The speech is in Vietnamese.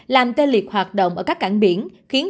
làm tê liệt hoạt động ở các cảng biển